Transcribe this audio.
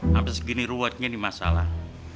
hampir segini ruwetnya ini masalah